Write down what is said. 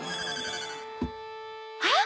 あっ！